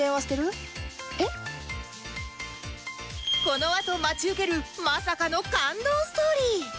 このあと待ち受けるまさかの感動ストーリー